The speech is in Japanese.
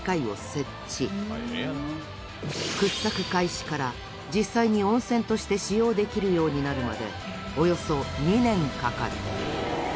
掘削開始から実際に温泉として使用できるようになるまでおよそ２年かかる。